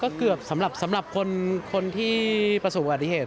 ก็เกือบสำหรับคนที่ประสูรการที่เหตุ